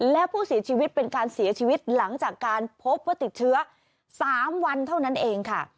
และผู้เสียชีวิตเป็นการเสียชีวิตหลังจากการพบว่าติดเชื้อ๓วันเท่านั้นเองค่ะ